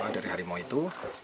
dari harimau itu